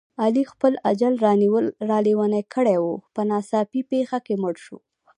علي خپل اجل را لېونی کړی و، په ناڅاپي پېښه کې مړ شو.